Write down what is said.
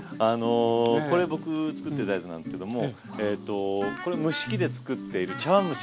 これ僕作ってたやつなんですけどもこれ蒸し器で作っている茶わん蒸し。